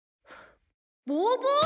「ボーボー？」